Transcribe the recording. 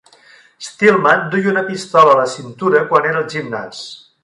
Stillman duia una pistola a la cintura quan era al gimnàs.